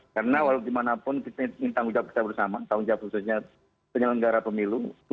karena walaupun dimanapun kita bersama tanggung jawab khususnya penyelenggara pemilu